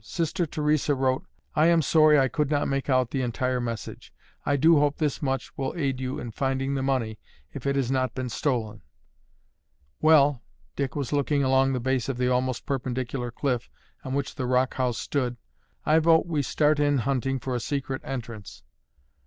Sister Theresa wrote, 'I am sorry I could not make out the entire message. I do hope this much will aid you in finding the money if it has not been stolen.'" "Well," Dick was looking along the base of the almost perpendicular cliff on which the rock house stood, "I vote we start in hunting for a secret entrance."